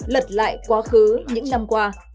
lật lại quá khứ những năm qua